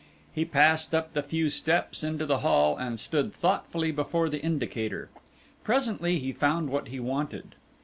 He passed up the few steps into the hall and stood thoughtfully before the indicator. Presently he found what he wanted.